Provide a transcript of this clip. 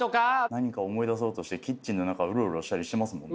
何か思い出そうとしてキッチンの中ウロウロしたりしてますもん。